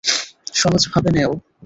সহজ ভাবে নেও।